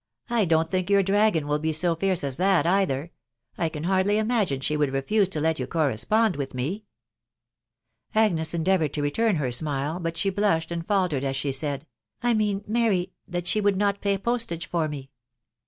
" I don't think your dragon will be so fiercesa tint either. ... I can hardly imagine she would refuse to let you correspond with me." Agnes endeavoured to return her smile, but she blushed and faltered as she said, " I mean, Mary, that she would not pay postage for me."